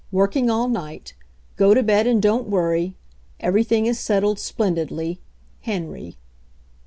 Working all night Go to bed and don't worry. Everything is settled splendidly. — Henry."